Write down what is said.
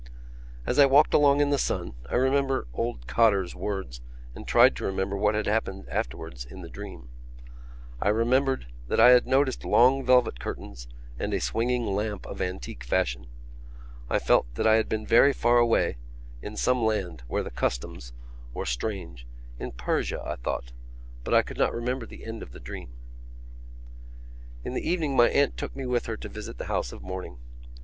As I walked along in the sun I remembered old Cotter's words and tried to remember what had happened afterwards in the dream. I remembered that I had noticed long velvet curtains and a swinging lamp of antique fashion. I felt that I had been very far away, in some land where the customs were strange—in Persia, I thought.... But I could not remember the end of the dream. In the evening my aunt took me with her to visit the house of mourning.